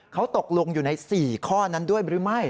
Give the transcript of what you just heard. เขาตกลงอยู่ใน๔ข้อนั้นด้วยหรือไม่